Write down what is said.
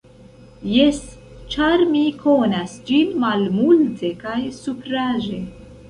Jes, ĉar mi konas ĝin malmulte kaj supraĵe.